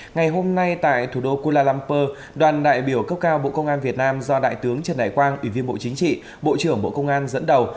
ngày hôm nay tại thủ đô kuala lumpur đoàn đại biểu cấp cao bộ công an việt nam do đại tướng trần đại quang ủy viên bộ chính trị bộ trưởng bộ công an dẫn đầu